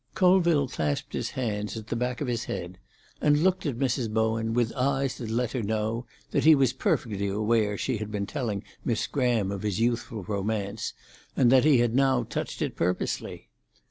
Colville clasped his hands at the back of his head and looked at Mrs. Bowen with eyes that let her know that he was perfectly aware she had been telling Miss Graham of his youthful romance, and that he had now touched it purposely.